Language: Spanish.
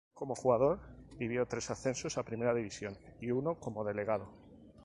Como jugador, vivió tres ascensos a primera división y uno como delegado.